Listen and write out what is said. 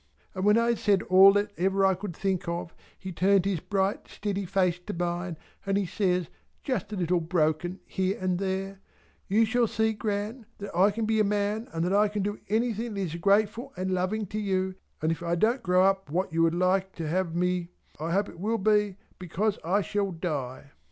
And when I had said all that ever I could think of, he turned his bright steady face to mine and he says just a little broken here and there "You shall see Gran that I can be a man and that I can do anything that is grateful and loving to you and if I don't grow up to be what you would like to have me I hope it will be because I shall die."